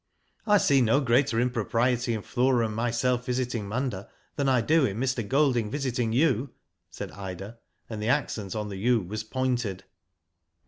*' I see no greater impropriety in Flora and myself visiting Munda than I do in Mr. Golding visiting you,^ said Ida, and the accent on the *'you" was pointed.